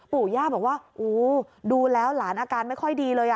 ปู่ย่าบอกว่าโอ้ดูแล้วหลานอาการไม่ค่อยดีเลย